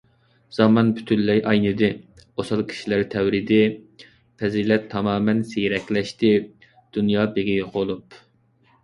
زامان پۈتۇنلەي ئاينىدى، ئوسال كىشىلەر تەۋرىدى، پەزىلەت تامامەن سىيرەكلەشتى، دۇنيا بېگى يوقۇلۇپ.